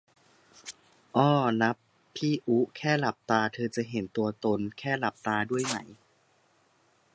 อ้อ นับพี่อุ๊ แค่หลับตา เธอจะเห็นตัวตน แค่หลับตา ด้วยไหม